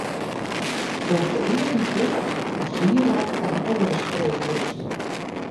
Doch de eagen ticht ast hierlak of in oare spray brûkst.